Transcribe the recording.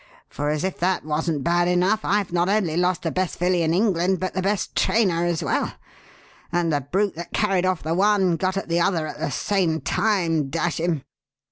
For as if that wasn't bad enough, I've not only lost the best filly in England but the best trainer as well: and the brute that carried off the one got at the other at the same time, dash him!"